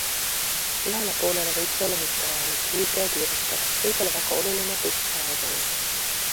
Ühele poolele võib see olla mittevajalik, lühike ja kiirustav, teisele väga oluline, pikk ja aeglane.